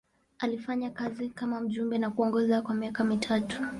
Alifanya kazi kama mjumbe na kuongoza kwa miaka mitatu.